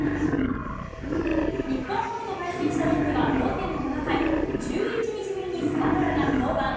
日本ハムと対戦したロッテは同点の７回、１１日ぶりに澤村が登板。